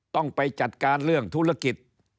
ต้องไปจัดการเรื่องธุรกิจ